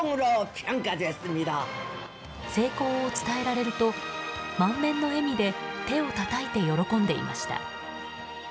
成功を伝えられると満面の笑みで手をたたいて喜んでいました。